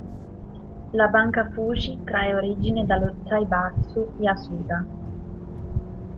La Banca Fuji trae origine dallo zaibatsu Yasuda.